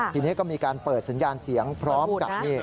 ทีนี้ก็มีการเปิดสัญญาณเสียงพร้อมกับ